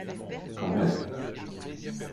Quand même